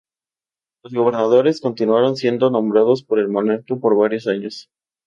Los gobernadores continuaron siendo nombrados por el monarca por varios años.